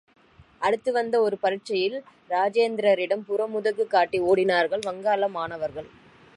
அடுத்து வந்த ஒரு பரீட்சையில் இராஜேந்திரரிடம் புறுமுதுகு காட்டி ஓடினார்கள் வங்காள மாணவர்கள்.